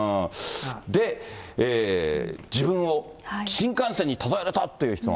で、自分を新幹線に例えるとっていう質問。